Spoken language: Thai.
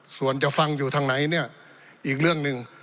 ส่วนจะฟังอยู่ทางไหนเนี่ยอีกเรื่องหนึ่ง